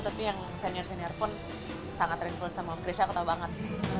tapi yang senior senior pun sangat terinfluence sama almarhum krisha aku tahu banget